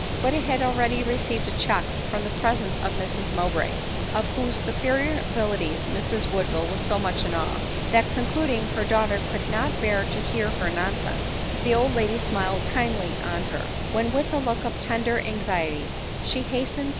But it had already received a check from the presence of Mrs Mow bray, of whose superior abilities Mrs Woodville was so much in awe, that, concluding her daughter could not bear to hear her nonsense, the old lady smiled kindly on ; her when with a look of tender anxiety she hastened to r ; 10 ADELINE MOWBRAY.